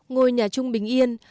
ngôi nhà trung bình yên